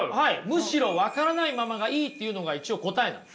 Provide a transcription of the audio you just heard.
むしろ分からないままがいいっていうのが一応答えなんです。